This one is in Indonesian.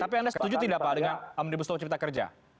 tapi anda setuju tidak pak dengan omnibus law cipta kerja